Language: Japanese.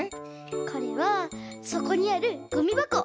これはそこにあるごみばこ。